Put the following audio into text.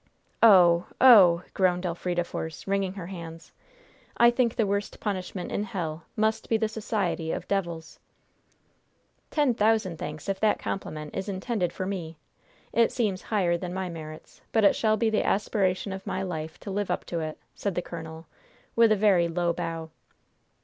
"Oh! Oh!" groaned Elfrida Force, wringing her hands. "I think the worst punishment in hell must be the society of devils!" "Ten thousand thanks, if that compliment is intended for me. It seems higher than my merits, but it shall be the aspiration of my life to live up to it," said the colonel, with a very low bow.